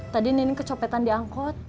tadi nining kecopetan di angkot